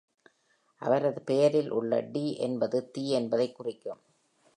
அவரது பெயரில் உள்ள "டி" என்பது "தி" என்பதைக் குறிக்கும்.